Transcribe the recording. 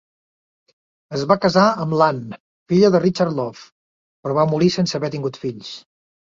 Es va casar amb l'Anne, filla de Richard Love; però va morir sense haver tingut fills.